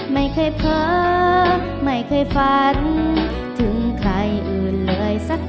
ไม่เคยเผลอไม่เคยฝันถึงใครอื่นเลยสัก